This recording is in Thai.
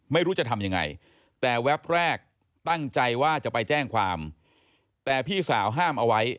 ไม่รู้จะทำยังไงแต่แวบแรกตั้งใจว่าจะไปแจ้งความแต่พี่สาวห้ามเอาไว้